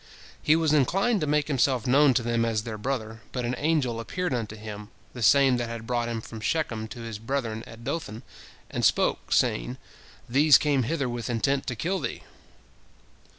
He was inclined to make himself known to them as their brother, but an angel appeared unto him, the same that had brought him from Shechem to his brethren at Dothan, and spoke, saying, "These came hither with intent to kill thee."